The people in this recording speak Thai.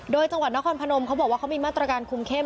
โดยจังหวัดนครพนมเขาบอกว่าเขามีมาตรการคุมเข้ม